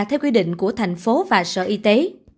theo quy định của thành phố và sở y tế